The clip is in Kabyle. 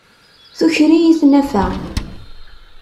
Tuker-iyi tnafa.